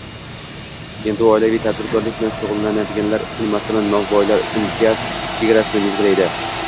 Endi u oilaviy tadbirkorlik bilan shug'ullanadiganlar uchun, masalan, novoylar uchun gaz chegarasini belgilaydi